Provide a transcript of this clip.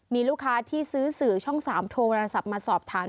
มีลูกค้าที่ซื้อสื่อช่อง๓โทรศัพท์มาสอบถาม